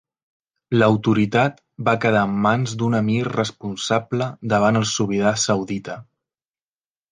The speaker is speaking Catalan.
L'autoritat va quedar en mans d'un emir responsable davant el sobirà saudita.